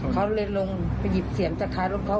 เขาเลยลงไปหยิบเสียงจากท้ายรถเขา